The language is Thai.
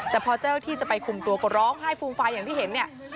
แต่พอเจ้าที่จะไปคุมตัวก็ร้องไห้ฟูมฟายอย่างที่เห็นเนี่ย